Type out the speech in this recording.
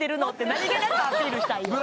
なにげなくアピールしたいよね